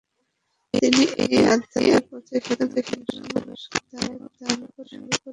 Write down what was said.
তিনি এই আধ্যাত্বিক পথে সাধারণ মানুষকে বায়াত দানও শুরু করে দিয়েছিলেন।